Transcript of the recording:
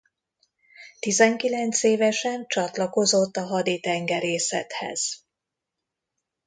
Tizenkilenc évesen csatlakozott a haditengerészethez.